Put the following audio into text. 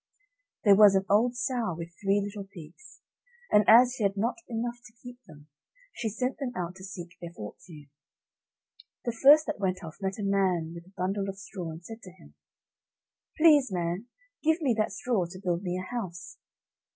There was an old sow with three little pigs, and as she had not enough to keep them, she sent them out to seek their fortune. The first that went off met a man with a bundle of straw, and said to him: "Please, man, give me that straw to build me a house."